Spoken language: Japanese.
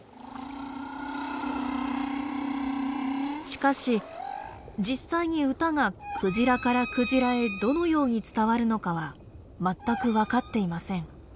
しかし実際に歌がクジラからクジラへどのように伝わるのかは全く分かっていません。